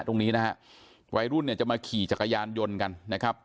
ตรงนี้นะฮะวัยรุ่นเนี่ยจะมาขี่จักรยานยนต์กันนะครับ